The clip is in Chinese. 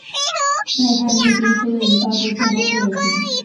奈半利町是位于高知县东部的町。